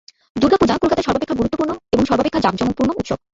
দুর্গাপূজা কলকাতার সর্বাপেক্ষা গুরুত্বপূর্ণ এবং সর্বাপেক্ষা জাঁকজমকপূর্ণ উৎসব।